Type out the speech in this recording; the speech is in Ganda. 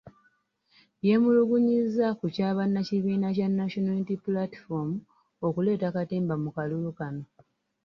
Yeemulugunyizza ku kya bannakibiina kya National Unity Platform okuleeta katemba mu kalulu kano .